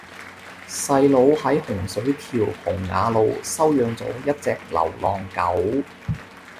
細佬喺洪水橋洪雅路收養左一隻流浪狗